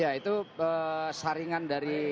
ya itu saringan dari